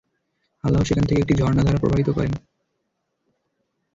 আল্লাহ সেখান থেকে একটি ঝর্ণাধারা প্রবাহিত করেন।